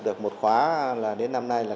được một khóa là đến năm nay là